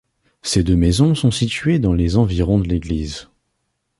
Ces deux maisons sont situées dans les environs de l'église.